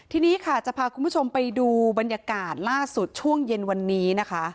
ทีนี้ค่ะจะพาคุณผู้ชมไปดูบรรยากาศล่าสุดช่วงเย็นวันนี้นะคะ